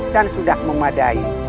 dan sudah memadai